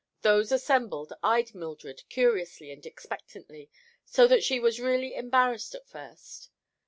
Those assembled eyed Mildred curiously and expectantly, so that she was really embarrassed at first.